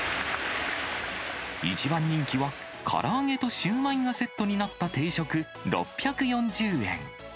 一番人気は、から揚げとシューマイがセットになった定食６４０円。